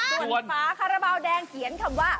ส่วนฝาคาราบาลแดงเขียนคำว่า